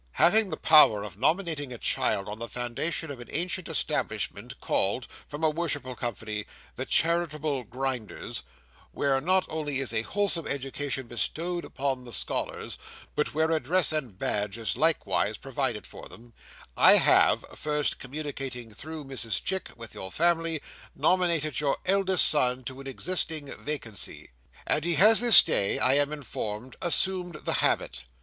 Having the power of nominating a child on the foundation of an ancient establishment, called (from a worshipful company) the Charitable Grinders; where not only is a wholesome education bestowed upon the scholars, but where a dress and badge is likewise provided for them; I have (first communicating, through Mrs Chick, with your family) nominated your eldest son to an existing vacancy; and he has this day, I am informed, assumed the habit.